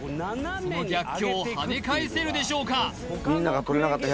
その逆境を跳ね返せるでしょうか？